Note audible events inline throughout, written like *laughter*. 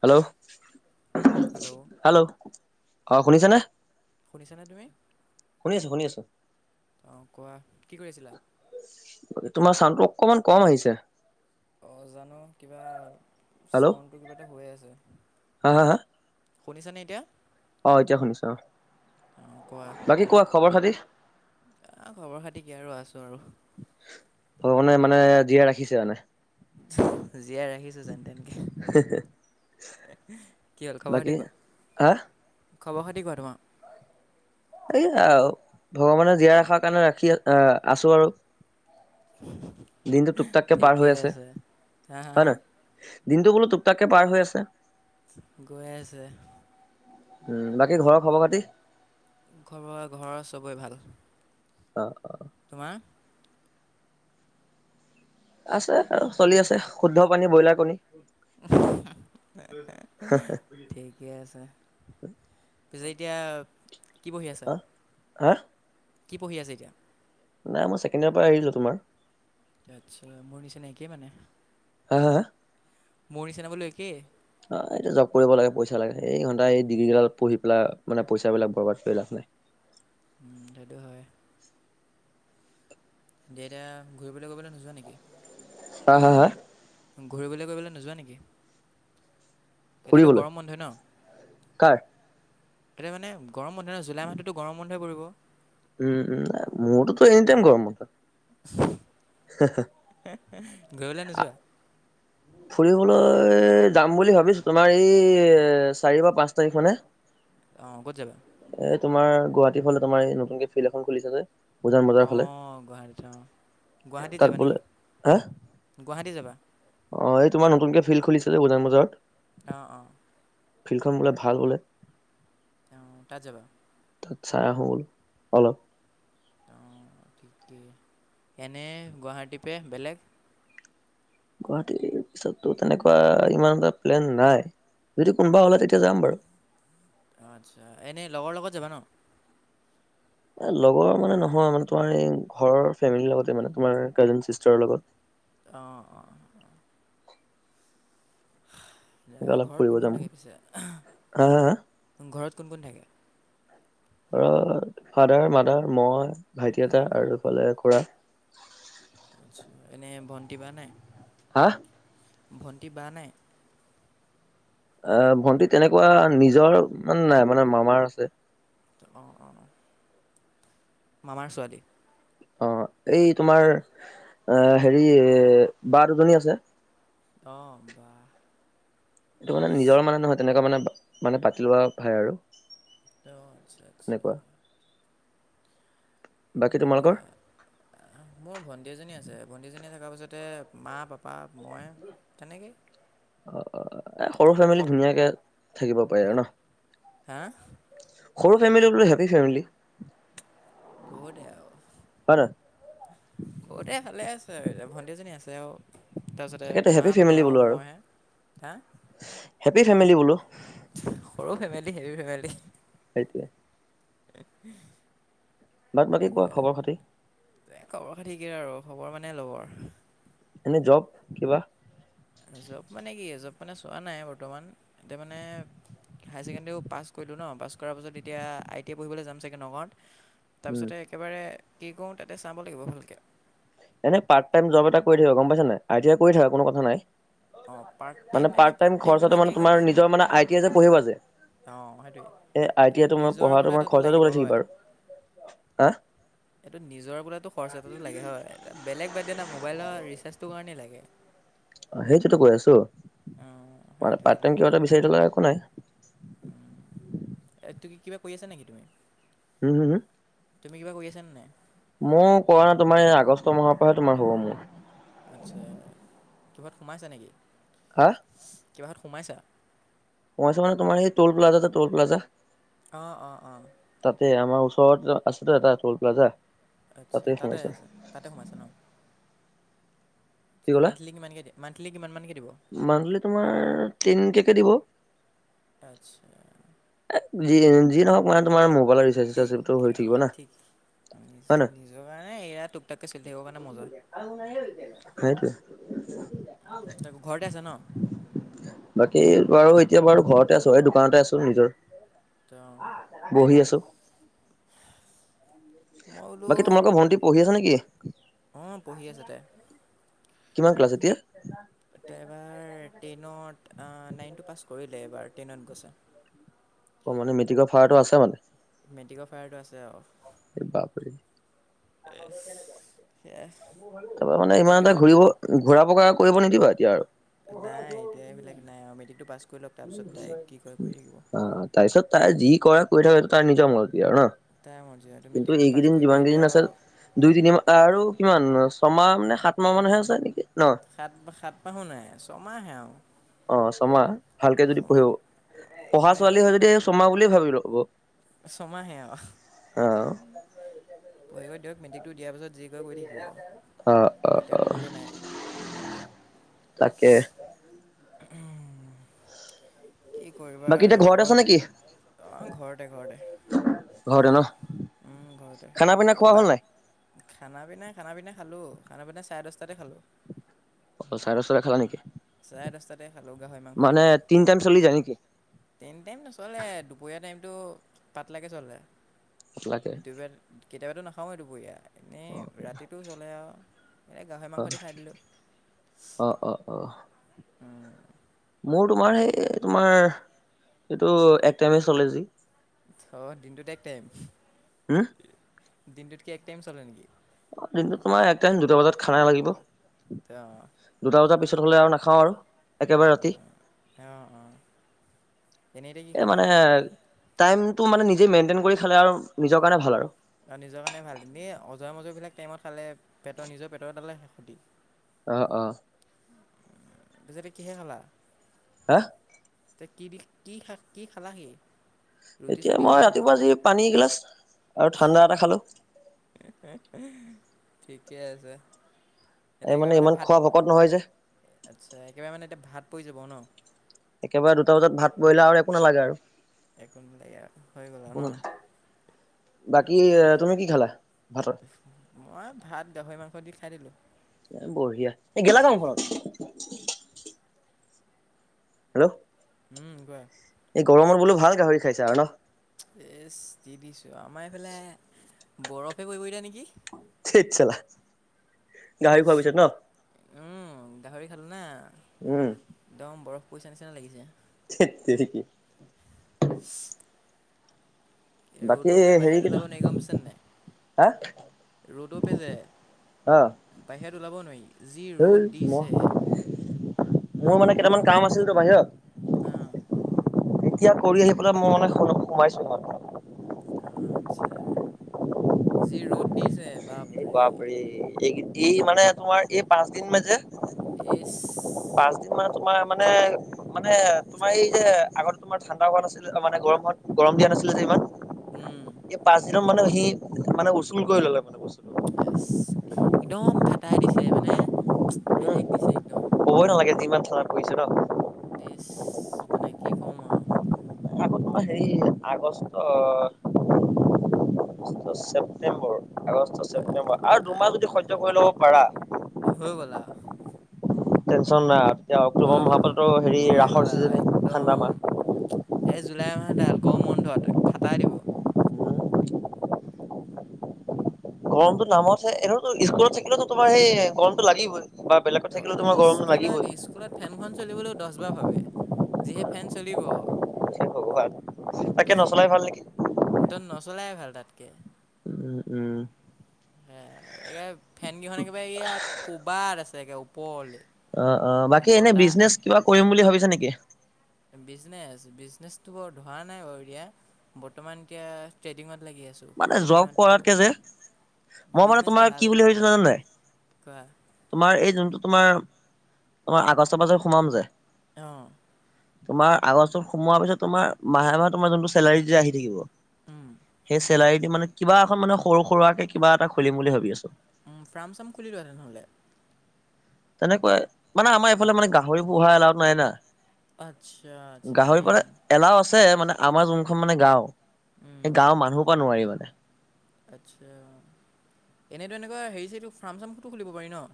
Hello, hello. অ' শুনিছানে? শুনিছানে তুমি? শুনি আছো অ কোৱা, কি কৰি আছিলা? তোমাৰ চাউণ্ডটো অকমান কম আহিছে। অ' জানো কিবা হেল্ল' চাউণ্ডটো কিবা এটা হৈ আছে। হা, হা, হা? শুনিছানে এতিয়া? অ' এতিয়া শুনিছোঁ অ'। অঁ বাকী কোৱা খবৰ খাতি? আ, খবৰ খাতি কি আৰু আছোঁ আৰু। ভগৱানে মানে জীয়াই ৰাখিছে মানে। জীয়াই ৰাখি যেন তেনকে। কি হ'ল খবৰ খাতি বাকী কোৱা? হা খবৰ-খাতি কোৱা তোমাৰ। এইয়াও, ভগৱানে জীয়াই ৰখাৰ কাৰণে ৰাখি, আহ, আছো আৰু। দিনটো টোপ টাককে পাৰ হৈ ঠিকেই আছে, হা, হা, হয় হা। নহয় দিনটো বোলো টুক তাক কে পাৰ হৈ আছে। গৈ আছে। উম, বাকী ঘৰৰ খবৰ-খাতি। খবৰ ঘৰ চবৰে ভাল। অ', অ'। তোমাৰ। আছে আৰু চলি আছে, শুদ্ধ পানী ব্ৰইলাৰ কণী। ঠিকেই আছে। পিছে এতিয়া কি পঢ়ি আছা? অ হা। কি পঢ়ি আছে এতিয়া? নাই মই ছেণ্ডয়াৰ পৰা এৰিলোঁ তোমাৰ। আটচা মোৰ নিচিন একেই মানে। হা, হা। মোৰ নিচনা মানে একেই। অ', এইটো জব কৰিব লাগে, পইচা লাগে, এই ঘণ্টা এই ডিগ্ৰীগিলাত পঢ়ি পেলাই মানে পইচাবিলাক বৰবাদ কৰি লাভ নাই। সেইটো হয়। দুইটাই ঘূৰিবলে *unintelligible* নোযোৱা নেকি? হা, হা, হা। ঘূৰিবলে কৰিবলৈ নোযোৱা নেকি? এতিয়াতো ফুৰিবলৈ গৰম বন্ধ হয় ন। কাৰ কিবা মানে গৰম বন্ধই, জুলাই মাহটোতোন গৰম বন্ধই পৰিব। উম, উম, এ, মোৰতোতো এনি টাইম গৰম বন্ধ। ঘৰলে নোযোৱা। ফুৰিবলৈ যাম বুলি ভাবিছো, তোমাৰ এই চাৰি বা পাঁচ তাৰিখ মানে। অ', ক'ত যাবা? এ, তোমাৰ গুৱাহাটীৰ ফালে, তোমাৰ এই নতুনকে ফিল্ড এখন খুলিছা যে। উজান বজাৰ ফালে অ', গুৱাহাটীত অ', গুৱাহাটীত তাত যাবা বোলে নেকি? হা গুৱাহাটী যাবা। অ', এই তোমাৰ নতুনকে খুলিছিল যে উজান বজাৰত। অ', অ'। ফিল্ডখন বোলে ভাল বোলে। অ', তাত যাবা। তাত চাই আহোঁ বোলো, অলপ। অ', ঠিকেই, এনে গুৱাহাটীপে বেলেগ। গুৱাহাটীৰ পিছততো তেনেকুৱা ইমান এটা প্লেন নাই। যদি কোনোবা ওলাই তেতিয়া যাম বাৰু। অ', আচ্ছা এনে লগৰ লগত যাবা ন? এ, লগৰ মানে নহয়, মানে তোমাৰ এই ঘৰৰ ফেমিলিৰ লগতে মানে, তোমাৰ কাজ চিষ্টাৰৰ লগত। অ', অ'। দিয়া, এনেকে অলপ ঘৰত ফুৰিব কোন যাম কোন থাকে পিছে, হা হা হা ঘৰত কোন কোন থাকে? ঘৰত ফাদাৰ, মাদাৰ, মই ভাইটি, এটা আৰু এইফালে খুৰা। আচ্ছা, এনে ভণ্টি বা নাই? অহ। ভণ্টি, বা নাই? আহ, ভণ্টি তেনেকুৱা নিজৰ মানে নাই মানে মামাৰ আছে। অ', অ', অ মামাৰ ছোৱালী? অ', এই তোমাৰ হেৰি বা দুজনী আছে? অ', বা এইটো মানে নিজৰ মানে নহয় তেনেকুৱা মানে মানে পাতি লোৱা ভাই আৰু। অ', আচ্ছা আচ্ছা। তেনেকুৱা। বাকী তোমালোকৰ এতিয়া মোৰ ভণ্টী এজনী আছে ভণ্টিজনী থকা পিছতে মা, পাপা, মই তেনেকেই। অ', এ সৰু ফেমিলি ধুনীয়াকে থাকিব পাৰি আৰু ন। হা। সৰু ফেমিলি বোলে হেপী ফেমিলি। প দে আৰু হয় বহুতে ভালে আছে ভণ্টি এজনী আছে আৰু তাৰপিছতে তাকেতো মা হেপী পাপা ফেমিলি আৰু বোলো মইহে হা হেপী ফেমিলি বোলো। সৰু ফেমিলি হেভি ফেমিলি। *unintelligible* এক *unintelligible* বাক-বাকী কোৱা খবৰ খাতি। এ, খবৰ খাতি কি আৰু খবৰ মানে ল'ব আৰু এনে জব, কিবা? জব মানে কি জব মানে চোৱা নাই বৰ্তমান এতিয়া মানে হায়াৰ ছেকেণ্ডেৰীও পাছ কৰিলোঁ ন পাছ কৰাৰ পাছত এতিয়া আই টি আই পঢ়িবলৈ যাম চাগৈ নগাঁৱত উম তাৰপিছতে একেবাৰে কি কৰোঁ তাতে চাব লাগিব ভালকে। এনে পাৰ্টাইম জব এটা কৰি থাককা গম পাইছ নাই, আৰ টি কৰি থাককা কোনো কথা নাই। অঁ পাৰ্ট টাইম মানে পাৰট পাৰ্ট টাইম খৰচাটো কি মানে ক'ম তোমাৰ নিজৰ মানে আই টিই যে পঢ়িবা যে অঁ সেইটোৱে এ আই এইটো টি মই নিজৰ পঢ়া মই বোলাটোতো খৰচাটো লাগিব ক থাকম হয় বাৰু হ এইটো নিজৰ বোলো খৰচ এটাটো লাগে হয় বেলেগ বাদ দিয়া না মোবাইলৰ ৰিচাৰ্জটোৰ কাৰণেই লাগে। অ', সেইটোতো কৈ আছো অঁ ম পাট সেইটোৱে টাইম লাগে কিবা এটা বিচাৰি তলা একো নাই। ত কি কিবা কৰি আছা নেকি তুমি? উম, হুমম তুমি কিবা কৰি আছনে নাই? মোৰ কৰা নাই তোমাৰ এই আগষ্ট মাহৰ পৰাহে তোমাৰ হ'ব মোৰ। আচ্ছা, কিবাত সোমাইছে নেকি? হা? কিবা হত সোমাইছা? মই আছোঁ মানে তোমাৰ সেইটোল প্লাজা যে টোল প্লাজা অ', অ', অ'। তাতে, আমাৰ ওচৰত আছেটো এটা টল প্লাজা। আচ্ছা তাতে আছে তাতে সোমাইছা ন, কি আচ্ছা ক'লা মান্থলি কিমানকৈ দিয়া? মান্থলি কিমানকৈ দিব? মান্থলি তোমাৰ তিনকে কে দিব। আচ্ছা। এ যি, যি নহওক মানে তোমাৰ মোবাইলৰ ৰিচাৰ্জ ঠিক চিচাৰ্জটো হৈ থাকিব অঁ না। ঠিক হয় নহয় নিজৰ কাৰণে এয়া তুক তাককে চলি থাকিবৰ কাৰণে মজা। *unintelligible* বাকী বাৰু এতিয়া বাৰু ঘৰতে আছে ন ঘৰতে আছোঁ এই দোকানতে আছোঁ নিজৰ। তহ। বহি আছোঁ। মই বোলো বাকী তোমালোকৰ ভন্টি পঢ়ি আছে নেকি? অঁ পঢ়ি আছে তাই কিমান ক্লাছ এতিয়া? তই এইবাৰ টেনত নাইনটো পাছ কৰিলে এইবাৰ টেনত গৈছে। অ মানে মেট্ৰিকৰ ফাৰাটো আছে মানে। মেট্ৰিকৰ' ফায়াৰটো আছে আৰু। এই বাপৰে। সেয়া তাৰপৰা মানে তাই ইমান এটা তাৰপিছত ঘূৰিব ঘূৰা পকা কৰিব নিদিবা এতিয়া আৰু। নাই এতিয়া এইবিলাক নাই আৰু মেট্ৰিকটো পাছ কৰি লওক তাৰপিছত তাই কি কৰে কৰি থাকিব। তাৰ পিছত তাই যি কৰে কৰি থাকক সেইটো তাৰ নিজৰ মৰ্জি আৰু নহ। তাই মৰ্জি আৰু কিন্তু মেট্ৰিকটো পাছ এইকেইদিন কৰিলে যিমান এতিয়া কেইদিন আছে আৰু দুই তিনিমাহ আৰু কিমান ছমাহ মানে সাত মাহ মানহে আছে নহ। সাত, সাত মাহো নাই ছমাহে আৰু। অ ছমাহ ভালকে যদি ছমাহ পঢ়িব পঢ়া সেই ছোৱালী হয় যদি ছমাহ বুলিয়ে ভাৱি ল'ব। ছমাহে আৰু অ পঢ়িব দিয়ক মেট্ৰিকটো দিয়া পাছত যি কৰি অ অ থাকিব অ তেতিয়া ক'বলৈ নাই। তাকে। উম কি কৰিবা বাকী এতিয়া আৰু ঘৰতে আছ অ নেকি ঘৰত। এ ঘৰতে। ঘৰতে নহ। উম ঘৰতে *unintelligible* বাই খানা পিনা খানা পিনা খালোঁ খানা পিনা চাৰে দহটাতে খালোঁ। অ চাৰে দচটাতে খালা নেকি চাৰে দহটাতে খালোঁ গাহৰি মাংস দি। মানে তিনি টাইম চলি যায় নেকি *unintelligible* নচলে দুপৰীয়া টাইমটো পাতলাকে চলে। লাগে *unintelligible* কেতিয়াবাতো নাখাওৱেই দুপৰীয়া অ এনেই ৰাতিটো চলে আৰু। এই গাহৰি অ মাংস খাই দিলোঁ। অ, অ, অ। মোৰ তোমাৰ সেই তোমাৰ এইটো এক টাইময়ে চলে যি। অ দিনটোত এক টাইম, হুম দিনটোত কি এক টাইম চলে নেকি? অ দিনটোত তোমাৰ এক টাইম দুটা বজাত খানা লাগিব। ত অঁ দুটা বজাৰ পিছত হ'লে আৰু নাখাওঁ আৰু একেবাৰে ৰাতি। অ, অ এনেই এতিয়া কি এই খালা? মানে টাইমটো মানে নিজেই মেইনটেইন কৰি খালে আৰু নিজৰ কাৰণে ভাল আৰু। আৰু নিজৰ কাৰণে ভাল এনেই অজৰা মজা বিলাক টাইমত খালে পেটৰ নিজৰ পেটৰ। *unintelligible* অ, অ। পিছত কিহেৰে খালা। হা। তে কি দি কি খা কি খালাহি? ৰুটি এতিয়া চুটি কি মই খালা ৰাতিপুৱা যি পানী এগিলাচ আৰু ঠাণ্ডা এটা খালোঁ। ঠিকে আছে। এই এতিয়া একেবাৰে মানে ইমান ভাত খোৱা ভকত নহয় যে আচ্ছা একেবাৰে মানে এতিয়া ভাত পৰি যাব ন? একেবাৰে দুটা বজাত ভাত পৰিলে আৰু একো নালাগে আৰু। *unintelligible* হৈ গ'লা একো ন! নালাগে বাকী তুমি কি খালা ভাতত? মই ভাত দহৈ মাংস দি খাই দিলোঁ। এ বঢ়িয়া, এই গেলা গৰম ঘৰত। হেল্ল'। উম, কোৱা। এই গৰমত বোলো ভাল গাহৰি খাইছা আৰু ন! এ দি দিছোঁ আমাৰ এইফালে বৰফে পৰিব এতিয়া নেকি? ঠেইত চালা, গাহৰি খোৱাৰ পিছত ন? উম, গাহৰি খালোঁ না? উম, একদম বৰফ পৰিছে নিচিনা লাগিছে। ধেত তেৰেকি। বাকী ৰ'দতে হেৰি বাহিৰত ওলাব কেইটা নে গম পইছা নাই? হা ৰ'দ তে যে অ বাহিৰত ওলাব নোৱাৰি। যি হেই ৰ'দ মই দিছে। মোৰ মানে কেইটামান কাম আছিল তো বাহিৰত। হা। এতিয়া কৰি আহি পেলাই মোৰ মানে সোমাইছো মানে। আচ্ছা, যি ৰ'দ দিছে বাপৰে। এই এই মানে তোমাৰ এই পাঁচদিন মান যে। ইচ পাঁচ দিন মানে তোমাৰ মানে, মানে তোমাৰ এই যে আগতে তোমাৰ। হোৱা নাছিল মানে গৰমত গৰম দিয়া নাছিলে যে ইমান। উম, এই পাঁচ দিনত মানে সি মানে উচুল কৰি ল'লে মানে বস্তুটো। একদম ফটাই দিছে মানে বেলেগ দিছে একদম। ক'ই নালাগে যিমান থানাত পাৰিছো ন! ই, মানে কি ক'ম আৰু। আকৌ তোমাৰ হেৰি আগষ্টত। আষ্ট ছেপ্তেম্বৰ আগষ্ট ছেপটেম্বৰ আৰু দুমাহ যদি সহ্য কৰি ল'ব পাৰা। হৈ গ'ল আৰু। টেনচ নাই এতিয়া হৈ অক্টোবৰ মাহৰ পৰা টৌ হেৰি ৰাসৰ চিজনে ঠাণ্ডা মাহ। এ জুলাই মাহতে *unintelligible* ফটাই দিব। মাহ গৰমতটো নামতহে এনেতো স্কুলত থাকিলেতো তোমাৰ সেই গৰমতটো লাগিবই। বা বেলেগত অ, থাকিলেও তোমাৰ গৰমটো লাগিবই। স্কুলত স্কুলত। ফেনখন চলিবলৈ দহবাৰ ভাবে, যিহে ফেন চলিব। ভগৱান, তাকে নচলাই ভাল নেকি? ত নচলাই ভাল তাতকে। উম উম, হ এ ফেন কেইখন একেবাৰে ইয়াত কবাত আছে, একে ওপৰলৈ। অ অ বাকী এনে বতাহ বিজনেচ কিবা কৰিম বুলি ভাবিছো নেকি? বিজনেছ বিজনেছটো বৰ ধৰা নাই বাৰু এতিয়া। বৰ্তমান এতিয়া ট্ৰেডিঙত লাগি আছো। মানে জব কৰাতকে যে মই মানে বিজনেচটো তোমাৰ ভাল কি বুলি ভাবিছো জানে নাই? কৰা তোমাৰ এই যোনটো তোমাৰ তোমাৰ আগষ্ট পাছত সোমাম যে। অঁ। তোমাৰ আগষ্টত সোমোৱাৰ পিছত তোমাৰ মাহে মাহে তোমাৰ যোনটো চেলাৰী যে আহি থাকিব উম। সেই চেলাৰী দি মানে কিবা এখন মানে সৰু-সুৰাকে কিবা এটা খুলিম বুলি ভাবি আছো। ফাৰ্ম-চাৰাম খুলি লোৱা তেনে হ'লে। তেনেকুৱাই। মানে আমাৰ এইফালে ফাৰ্ম মানে গাহৰি পোহা এলাও নাই না। আচ্ছা আচ্ছা গাহৰি সেই পোহা কাৰণে এলাও আছে মানে আমাৰ যোনখন মানে গাঁও সেই গাঁওৰ মানুহৰ পৰা নোৱাৰি মানে। আচ্ছা। এনেতো এনেকুৱা হেৰি-চেৰি এইটো ফাৰ্ম-চাৰ্মটো খুলিব পাৰি ন?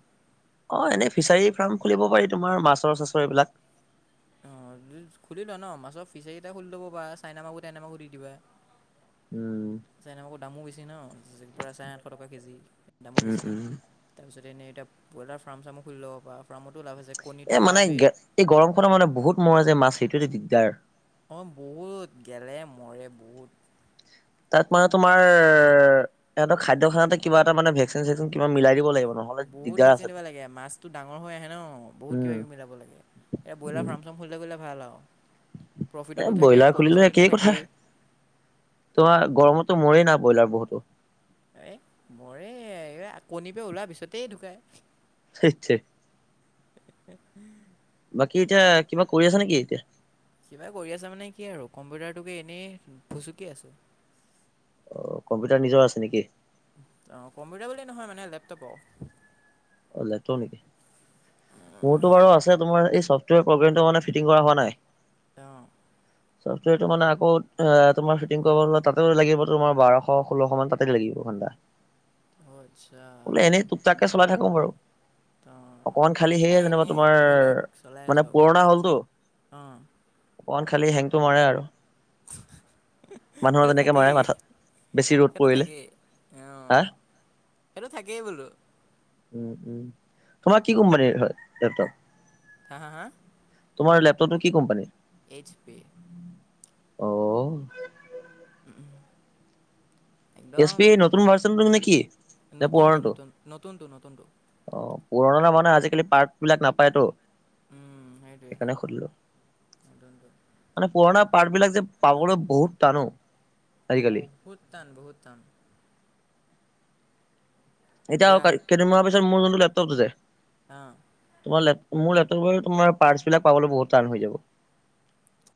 অ এনেই ফিচাৰী ফাৰ্ম খুলিব পাৰি তোমাৰ মাছৰ-চাছৰ এইবিলাক। অঁ জু খুলি লোৱা ন মাছৰ ফিচাৰী এটা খুলি লব পাৰা ন চাইনা মাগুৰ টাইনা মাগুৰ দি দিব পাৰা। উম। চাইনা মাগুৰ দামো বেছি ন প্ৰায় চাৰে আঠশ টকা কেজি দামো উম বেছি। উম তাৰপিছত এনে এতিয়া বইলাৰ ফাৰ্ম-চাম খুলি ল'ব পাৰা ফাৰ্মতো লাভ আছে। কণীটো এ মানে লাভেই এই গৰমখনত মানে বহুত মৰে যে মাছ সেইটো দিগদাৰ। অঁ বহুত গেলে মৰে বহুত। তাত মানে তোমাৰ ইহঁতৰ খাদ্য খানাতে কিবা এটা মানে ভেকচিন-চেকচিন কিবা মিলাই দিব লাগিব ন। বহুত ভেকচন দিব লাগে। মাছটো ডাঙৰ হৈ আহে ন বহুত উম কিবা-কিবি মিলাব লাগে। এ ব্ৰইলাৰ উম ফাৰ্ম-চাম দেখিব গলে ভাল আৰু। এ প্ৰফিটতো থাকে ব্ৰইলাৰ খুলিলে কণী-চণীটো একেই কথা থাকেই। তোমাৰ গৰমতো মৰেই না ব্ৰইলাৰ বহুতো। এই মৰে এই আ কণী পৰা ওলোৱাৰ পিছতেই ঢুকায়। *unintelligible* *unintelligible* বাকী এতিয়া কিবা কৰি আছা নেকি এতিয়া? কিবা কৰি আছা মানে কি আৰু কম্পিউটাৰটোকে এনেই ফুচুকি আছো। অ কম্পিউটাৰ নিজৰ আছে নেকি? অ। কম্পিউটাৰ বুলিয়ে নহয় মানে লেপটপো। লেপটপ নেকি? মোৰটো বাৰু আছে। এই চফ্টৱেৰ প্ৰগ্ৰামটো মানে ফিটিং হোৱা নাই। অ। চফ্টৱেৰটো মানে আকৌ অ তোমাৰ ফিটিং কৰিবলৈ তাতে লাগিব তোমাৰ বাৰশ ষোল্লশ মান তাতেই লাগিব ঘণ্ডা। *unintelligible* আচ্ছা বোলে এনেই টোপটাকে চলাই থাকো বাৰু। অঁ অকমান খালি মই সেয়ে যেনিবা এনেই তোমাৰ মানে পুৰণা হলতো। অ। অকমান খালি হেংটো মাৰে আৰু। মানুহৰ সেইটো যেনেকে মাৰে থাকেই। মাথাত বেছি ৰ'দ সেইটো পৰিলে থাকেই অ। হা সেইটো থাকেই বোলো। উম উম। তোমাৰ কি কোম্পানীৰ হয় লেপটপ? হা হা হা। তোমাৰ লেপটপ কি কোম্পানীৰ? H P. ও ঔ। উম। এছ একদম পি নতুন ভাৰ্চনটো নে কি নে নতুনটো পুৰণাটো নতুন, নতুনতটো নতুনতটো। অ', পুৰণা মানে আজিকালি পাৰ্ক বিলাক নাপায়তো। উম, সেইটোৱে সেইকাৰণে সুধিলো। নতুনটো মানে পুৰণা পাৰ্টবিলাক যে পাবলৈ বহুত টানো। বহুত টান বহুত টান। এতিয়া দিয়া কেইদিনমানৰ পিছত মোৰ যোনটো লেপটপটো যে অহ। তোমাৰ ল মোৰ লেপটপৰ তোমাৰ পাৰ্টছ বিলাক পাব বহুত টান হৈ যাব।